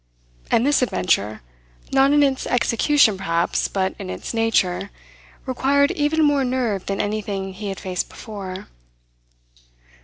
And this adventure, not in its execution, perhaps, but in its nature, required even more nerve than anything he had faced before.